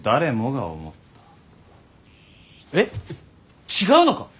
えっ違うのか？